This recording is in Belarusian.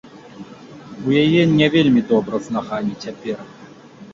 У яе не вельмі добра з нагамі цяпер.